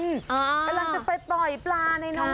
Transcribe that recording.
กำลังจะไปปล่อยปลาในน้ำ